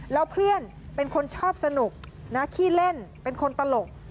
แล้วเพื่อนเป็นคนชอบสนุกนะขี้เล่นเป็นคนตลก